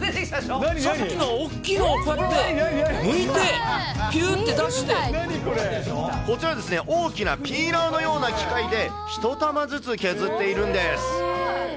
さっきの大きいの、こうやってむいて、ぴゅーっこちら、大きなピーラーのような機械で、１玉ずつ削っているんです。